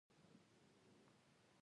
د رښتيا ويلو په ارزښت پوهېدل.